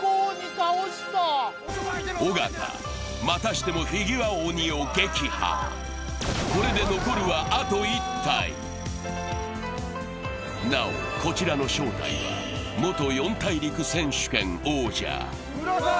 倒した尾形またしてもフィギュア鬼を撃破これで残るはあと１体なおこちらの正体は元四大陸選手権王者・無良さん！